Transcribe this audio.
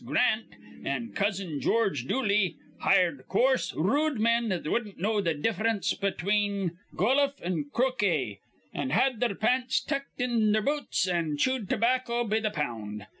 Grant, an' Cousin George Dooley, hired coarse, rude men that wudden't know th' diff'rence between goluf an' crokay, an' had their pants tucked in their boots an' chewed tobacco be th' pound.